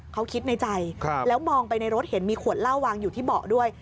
เขาคิดในใจแล้วมองไปในรถเห็นมีขวดเหล้าวางอยู่ที่เบาะด้วย